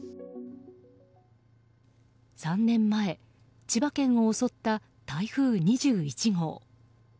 ３年前、千葉県を襲った台風２１号。